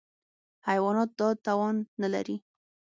حیوانات دا توان نهلري.